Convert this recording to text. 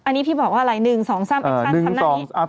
อันนี้พี่บอกว่าอะไร๑๒๓แอคชั่นทำหน้านี้